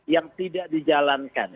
yang tidak dijalankan